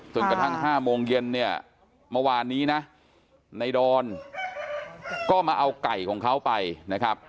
กระทั่ง๕โมงเย็นเนี่ยเมื่อวานนี้นะในดอนก็มาเอาไก่ของเขาไปนะครับ